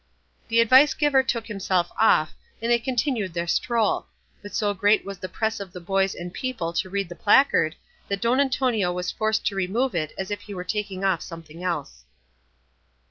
The advice giver took himself off, and they continued their stroll; but so great was the press of the boys and people to read the placard, that Don Antonio was forced to remove it as if he were taking off something else.